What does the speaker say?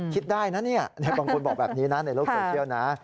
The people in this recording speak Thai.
คิดได้นะเนี่ยบางคนบอกแบบนี้นะในโลกโซเชียลนะ